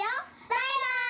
バイバイ！